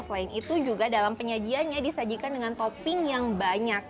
selain itu juga dalam penyajiannya disajikan dengan topping yang banyak